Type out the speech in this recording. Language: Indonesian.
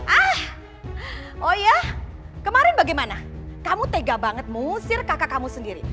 ah oh ya kemarin bagaimana kamu tega banget mengusir kakak kamu sendiri